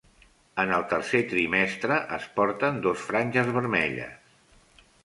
En el tercer trimestre es porten dos franges vermelles.